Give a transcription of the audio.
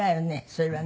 それはね。